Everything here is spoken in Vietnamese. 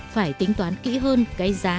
phải tính toán kỹ hơn cái giá